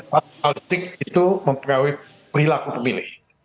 pengalitik itu memperawai perilaku pemilih